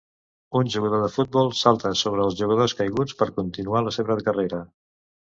Un jugador de futbol salta sobre els jugadors caiguts per continuar la seva carrera